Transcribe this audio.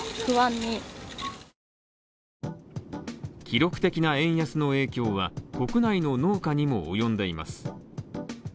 記録的な円安の影響は国内の農家にも及んでいます。